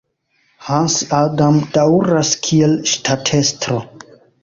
Hans Adam daŭras kiel ŝtatestro.